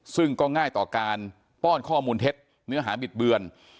ซึ่งก็ง่ายต่อการป้อนข้อมูลเท็จเนื้อหาบิดเบือน